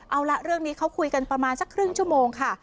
เอาละเรื่องนี้เขาคุยกันประมาณสักครึ่งชั่วโมงค่ะ